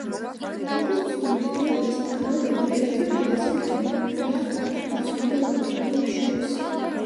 როგორც ცნობილია, ეს დაავადება ერთ-ერთ ყველაზე მტკივნეულია ცნობილ ავადმყოფობებს შორის.